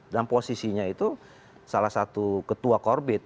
dan posisinya itu salah satu ketua korbit